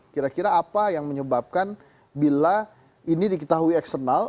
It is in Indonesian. kira kira apa yang menyebabkan bila ini diketahui eksternal